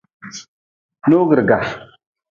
Noogriga.